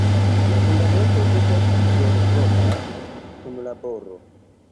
La fundamento estas libervola kunlaboro.